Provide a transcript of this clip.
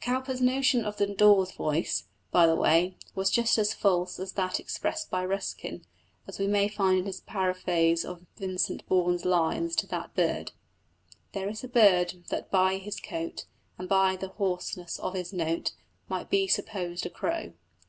Cowper's notion of the daw's voice, by the way, was just as false as that expressed by Ruskin, as we may find in his paraphrase of Vincent Bourne's lines to that bird: There is a bird that by his coat, And by the hoarseness of his note Might be supposed a crow.